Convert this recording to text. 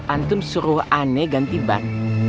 antum suruh aneh ganti ban